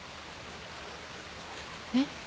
えっ？